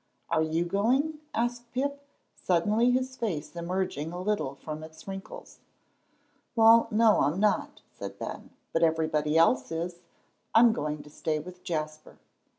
"Are you going?" asked Pip, suddenly, his face emerging a little from its wrinkles. "Well, no, I'm not," said Ben, "but everybody else is; I'm going to stay with Jasper."